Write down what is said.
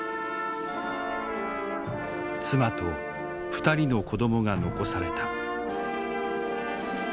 妻と２人の子どもが残された。